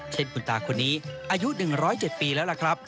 เช่นคุณตาคนนี้อายุ๑๐๗ปีแล้วล่ะครับ